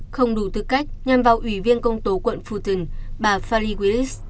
không đủ tư cách nhằm vào ủy viên công tố quận fulton bà farley willis